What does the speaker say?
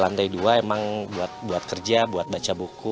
lantai dua emang buat kerja buat baca buku